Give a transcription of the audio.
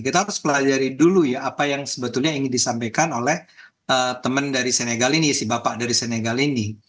kita harus pelajari dulu ya apa yang sebetulnya ingin disampaikan oleh teman dari senegal ini si bapak dari senegal ini